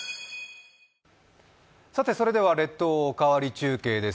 それでは「列島おかわり中継」です。